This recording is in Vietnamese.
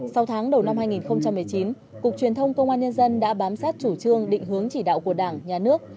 sau tháng đầu năm hai nghìn một mươi chín cục truyền thông công an nhân dân đã bám sát chủ trương định hướng chỉ đạo của đảng nhà nước